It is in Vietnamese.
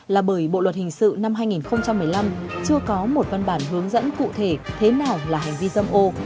là bởi bộ luật hình sự năm hai nghìn một mươi năm chưa có một văn bản hướng dẫn cụ thể thế nào là hành vi dâm ô